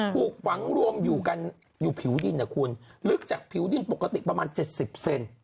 ถูกหวังรวมอยู่กันอยู่ผิวดินนะคุณลึกจากผิวดินปกติประมาณ๗๐เซน